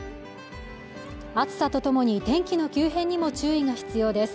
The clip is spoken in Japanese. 暑さとともに天気の急変にも注意が必要です